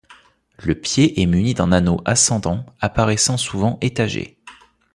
Le pied est muni d'un anneau ascendant apparaissant souvent étagé.